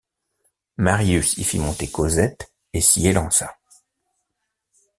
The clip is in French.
Marius y fit monter Cosette et s’y élança.